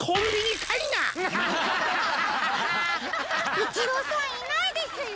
イチローさんいないですよ。